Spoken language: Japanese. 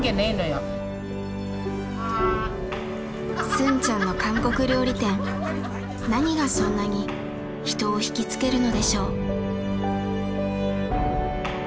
スンちゃんの韓国料理店何がそんなに人を惹きつけるのでしょう。